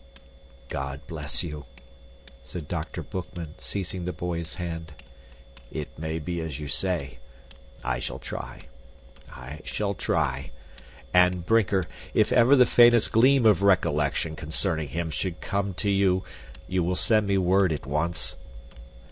"God bless you!" said Dr. Boekman, seizing the boy's hand. "It may be as you say. I shall try I shall try and, Brinker, if ever the faintest gleam of recollection concerning him should come to you, you will send me word at once?"